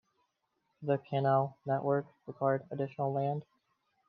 The canal network required additional land.